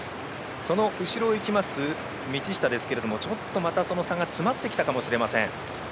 その後ろを行きます道下ですけれども、その差が詰まってきたかもしれません。